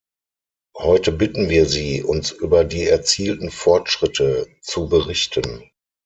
Heute bitten wir Sie, uns über die erzielten Fortschritte zu berichten.